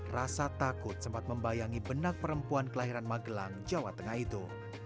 rasa takut sempat membayangi benak perempuan kelahiran magelang jawa tengah itu